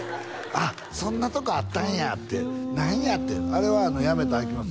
「あっそんなとこあったんや」って「何や」ってあれはやめたらあきません